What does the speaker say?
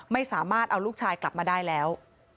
ไม่สามารถเอาลูกชายกลับมาได้แล้ว